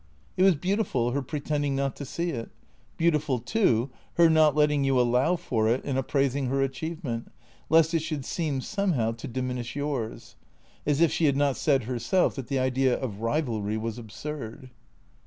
It was beautiful, her pretending not to see it; beautiful, too, her not letting you allow for it in appraising her achievement, lest it should seem somehow, to diminish yours. As if she had not said herself that the idea of rivalry was absurd.